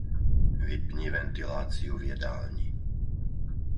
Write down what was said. Vypni ventiláciu v jedálni.